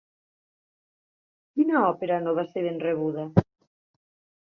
Quina òpera no va ser ben rebuda?